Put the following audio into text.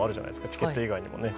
チケット以外も。